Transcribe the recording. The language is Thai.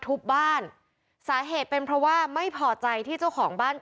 ทุบบ้านสาเหตุเป็นเพราะว่าไม่พอใจที่เจ้าของบ้าน